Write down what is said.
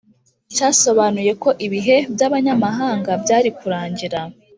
Cyasobanuye ko ibihe by abanyamahanga byari kurangira